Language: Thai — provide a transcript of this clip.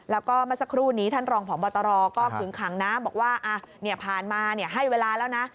แล้วก็มาสักครู่นี้ท่านรองผ่องบัตรอก็คืนขังนะบอกว่าพาลมาให้เวลาแล้วนะ